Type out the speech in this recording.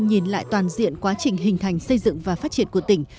nhìn lại toàn diện quá trình hình thành xây dựng và phát triển của tỉnh